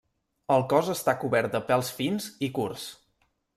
El cos està cobert de pèls fins i curts.